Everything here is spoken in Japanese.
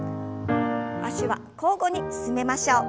脚は交互に進めましょう。